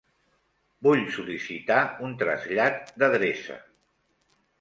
Vull sol·licitar un trasllat d'adreça.